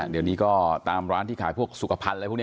เดี๋ยวนี้ก็ตามร้านที่ขายพวกสุขภัณฑ์อะไรพวกนี้